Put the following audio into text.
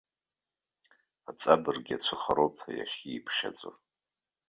Аҵабырг иацәыхароуп ҳәа ихьиԥхьаӡо.